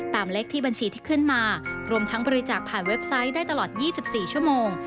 เลขที่บัญชีที่ขึ้นมารวมทั้งบริจาคผ่านเว็บไซต์ได้ตลอด๒๔ชั่วโมง